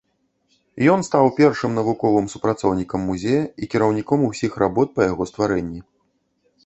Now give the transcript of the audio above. Ён стаў першым навуковым супрацоўнікам музея і кіраўніком ўсіх работ па яго стварэнні.